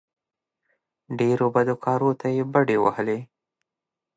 ډېرو بدو کارو ته یې بډې وهلې.